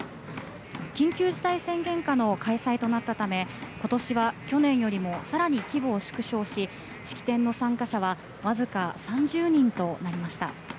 緊急事態宣言下の開催となったため今年は去年よりも更に規模を縮小し式典の参加者はわずか３０人となりました。